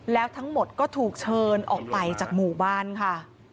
แล้วทั้งหมดก็ถูกเชิญออกไปจากหมู่บ้านค่ะ